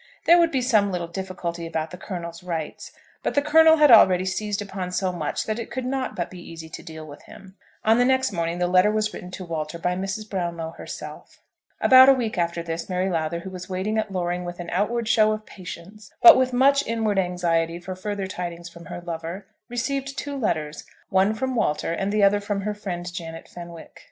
There would be some little difficulty about the colonel's rights; but the colonel had already seized upon so much that it could not but be easy to deal with him. On the next morning the letter was written to Walter by Mrs. Brownlow herself. About a week after this Mary Lowther, who was waiting at Loring with an outward show of patience, but with much inward anxiety for further tidings from her lover, received two letters, one from Walter, and the other from her friend, Janet Fenwick.